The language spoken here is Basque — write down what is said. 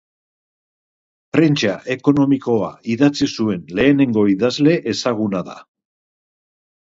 Prentsa ekonomikoa idatzi zuen lehenengo idazle ezaguna da.